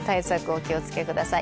お気をつけください。